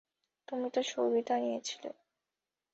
তুমিও তো সুবিধা নিয়েছিলে।